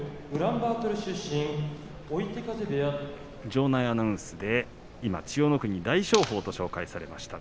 場内アナウンスで、千代の国大翔鵬と紹介されました。